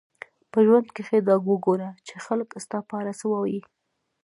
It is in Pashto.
په ژوند کښي دا وګوره، چي خلک ستا په اړه څه وايي.